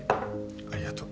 ありがとう。